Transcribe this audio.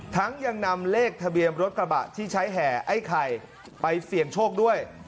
ยังนำเลขทะเบียนรถกระบะที่ใช้แห่ไอ้ไข่ไปเสี่ยงโชคด้วย